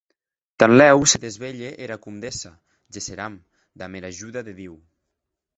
Tanlèu se desvelhe era comdessa, gesseram, damb era ajuda de Diu.